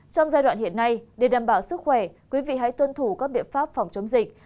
trong giai đoạn hiện nay để đảm bảo sức khỏe quý vị hãy tuân thủ các biện pháp phòng chống dịch